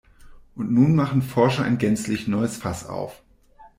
Und nun machen Forscher ein gänzlich neues Fass auf.